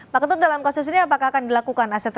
pak ketut dalam kasus ini apakah akan dilakukan aset